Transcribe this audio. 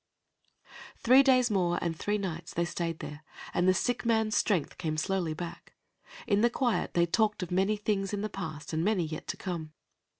Three days more and three nights they stayed there, and the sick man's strength came slowly back. In the quiet they talked of many things in the past and many yet to come.